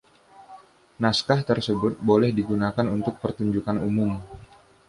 Naskah tersebut boleh digunakan untuk pertunjukkan umum.